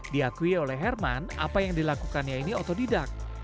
diakui oleh herman apa yang dilakukannya ini otodidak